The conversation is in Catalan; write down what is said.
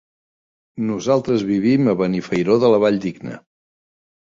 Nosaltres vivim a Benifairó de la Valldigna.